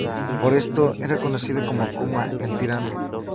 Por esto, era conocido como Kuma "El Tirano".